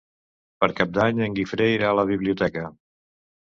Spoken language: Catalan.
Per Cap d'Any en Guifré irà a la biblioteca.